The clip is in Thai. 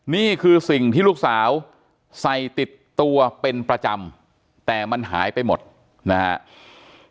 นี่คือสิ่งที่ลูกสาวใส่ติดตัวเป็นประจำแต่มันหายไปหมดนะครับ